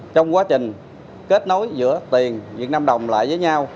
trong quá trình kết nối giữa tiền việt nam đồng lại với nhau